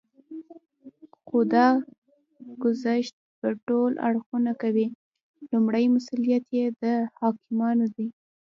خو دا ګذشت به ټول اړخونه کوي. لومړی مسئوليت یې د حاکمانو دی